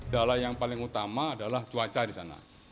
dala yang paling utama adalah cuaca di sana